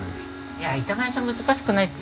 いや板前さん難しくないっていうけど。